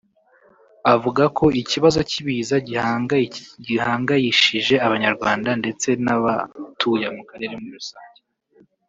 Avuga ko ikibazo cy’ibiza gihangayishije Abanyarwanda cyane ndetse n’abatuye akarere muri rusange